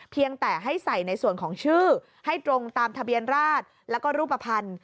เพียงแต่ให้ใส่ในส่วนของชื่อให้ตรงตามทะเบียนราชแล้วก็รูปภัณฑ์